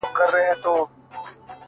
چي په ليدو د ځان هر وخت راته خوښـي راكوي!!